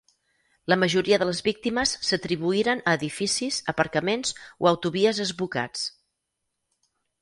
La majoria de les víctimes s'atribuïren a edificis, aparcaments o autovies esbucats.